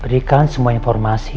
berikan semua informasi